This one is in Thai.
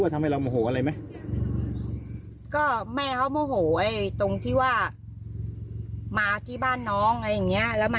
ทำให้เรามะหกอะไรไหม